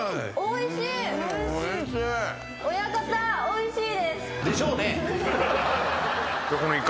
・おいしい！